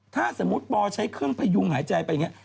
ถ้าสมมุติปอใช้เครื่องพยุงหายใจไปอย่างนี้